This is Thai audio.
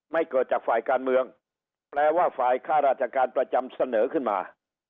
เกิดจากฝ่ายการเมืองแปลว่าฝ่ายค่าราชการประจำเสนอขึ้นมา